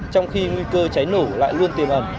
trong khi nguy cơ cháy nổ lại luôn tiềm ẩn